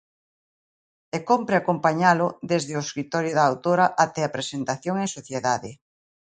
E cómpre acompañalo, desde o escritorio da autora até a presentación en sociedade.